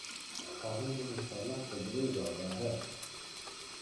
کھانے میں مصالحہ قدرے زیادہ ہے